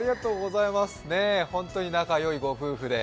本当に仲の良いご夫婦で。